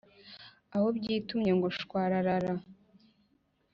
aho byitumye ngo shwararara